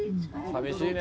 寂しいね。